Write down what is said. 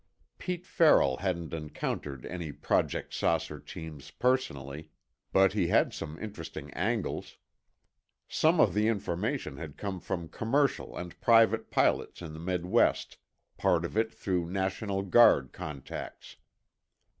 Pete Farrell hadn't encountered any Project "Saucer" teams personally, but he had some interesting angles. Some of the information had come from commercial and private pilots in the Midwest, part of it through National Guard contacts.